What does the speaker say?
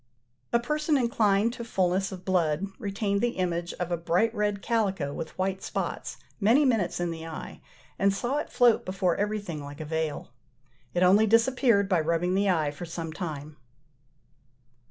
A person inclined to fulness of blood retained the image of a bright red calico, with white spots, many minutes in the eye, and saw it float before everything like a veil. It only disappeared by rubbing the eye for some time.